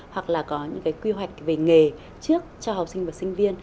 hoặc là có những cái quy hoạch về nghề trước cho học sinh và sinh viên